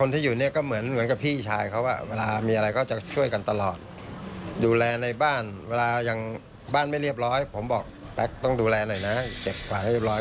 ถ้าบ้านยังไม่เรียบร้อยผมบอกแป๊กต้องดูแลหน่อยนะเจ็บขวานให้เรียบร้อย